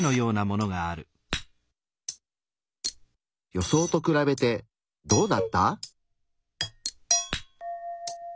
予想と比べてどうだった？